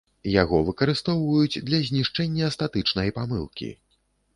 Яго выкарыстоўваюць для знішчэння статычнай памылкі.